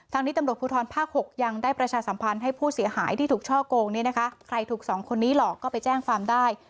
นี้ตำรวจภูทรภาค๖ยังได้ประชาสัมพันธ์ให้ผู้เสียหายที่ถูกช่อโกงเนี่ยนะคะใครถูกสองคนนี้หลอกก็ไปแจ้งความได้